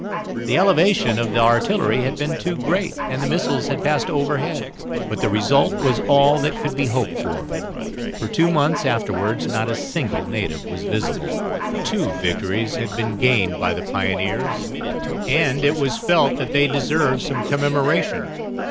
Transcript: The elevation of the artillery had been too great, and the missiles had passed overhead; but the result was all that could be hoped for, for two months afterwards not a single native was visible. Two victories had been gained by the pioneers, and it was felt that they deserved some commemoration.